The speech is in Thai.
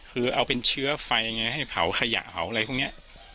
คือเอาเป็นเชื้อไฟไงให้เผาขยะเผาอะไรพวกนี้